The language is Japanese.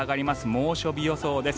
猛暑日予想です。